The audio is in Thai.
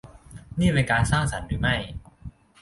นี่เป็นการสร้างสรรค์หรือไม่ ?